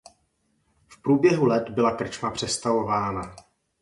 V průběhu let byla krčma přestavována.